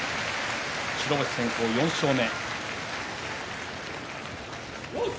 白星先行、４勝目。